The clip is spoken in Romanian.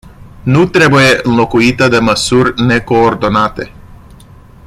Nu trebuie înlocuită de măsuri necoordonate.